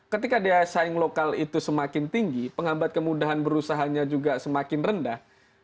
ketika daya saing lokal itu semakin tinggi penghambat kemudahan berusahanya juga semakin rendah